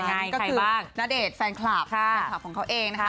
อันนี้ก็คือณเดชน์แฟนคลับแฟนคลับของเขาเองนะคะ